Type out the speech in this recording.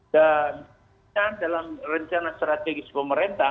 dan kita dalam rencana strategis pemerintah